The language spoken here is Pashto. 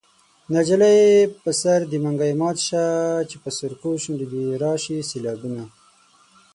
نجلۍ په سر دې منګی مات شه چې په سرکو شونډو دې راشي سېلابونه